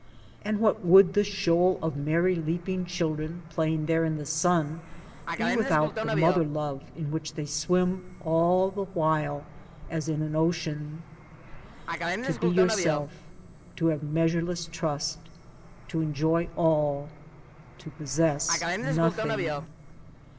And what would the shoal of merry leaping children playing there in the sun 42 Towards Democracy be without the mother love in which they swim all the while as in an ocean? To be Yourself, to have measureless Trust; to enjoy all, to possess nothing.